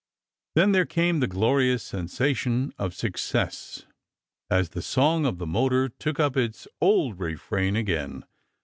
Then there came the glorious sen sation of success as the song of the motor took up its old refrain again.